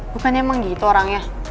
bukannya emang gitu orangnya